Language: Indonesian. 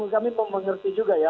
kami memahami juga ya